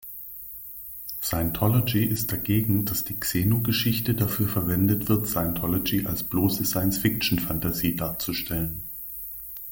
Scientology ist dagegen, dass die Xenu-Geschichte dafür verwendet wird, Scientology als bloße Science-Fiction-Fantasie darzustellen.